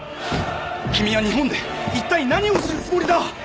君は日本で一体何をするつもりだ！？